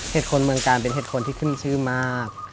คนเมืองกาลเป็นเห็ดคนที่ขึ้นชื่อมาก